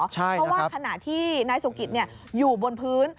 เพราะว่าขณะที่นายสุกิตอยู่บนพื้น